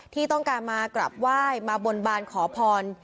ที่ต้องการมากราบไหว้มาบนบานขอพร